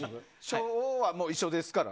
「しょう」は一緒ですから。